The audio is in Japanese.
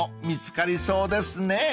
見つかりそうですね］